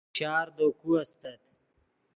شار دے کو استت